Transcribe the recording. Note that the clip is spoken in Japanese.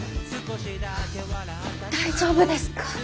大丈夫ですか？